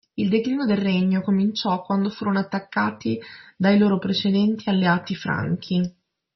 Il declino del regno cominciò quando furono attaccati dai loro precedenti alleati franchi.